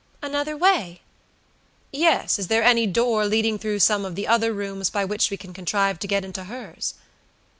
"Another way?" "Yes; is there any door, leading through some of the other rooms, by which we can contrive to get into hers?"